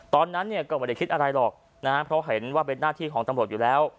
ตอนนั้นเนี่ยก็ไม่ได้คิดอะไรหรอกนะฮะเพราะเห็นว่าเป็นหน้าที่ของตำรวจอยู่แล้ว